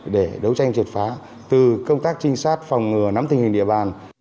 để đấu tranh triệt phá từ công tác trinh sát phòng ngừa nắm tình hình địa bàn